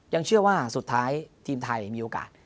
ยังเชื่อว่าสุดท้ายทีมไทยมีโอกาส